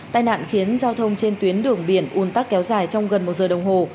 tai nạn khiến giao thông trên tuyến đường biển un tắc kéo dài trong gần một giờ đồng hồ